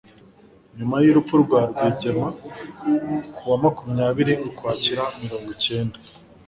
Nyuma y'urupfu rwa Rwigema, ku wa makumyabiri Ukwakira mirongo icyenda